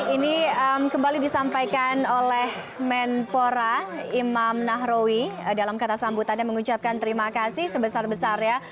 ini kembali disampaikan oleh menpora imam nahrawi dalam kata sambutannya mengucapkan terima kasih sebesar besarnya